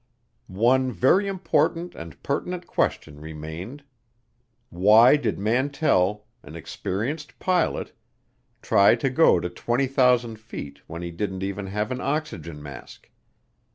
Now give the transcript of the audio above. One very important and pertinent question remained. Why did Mantell, an experienced pilot, try to go to 20,000 feet when he didn't even have an oxygen mask?